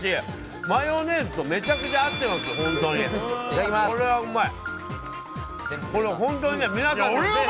マヨネーズとめちゃくちいただきます。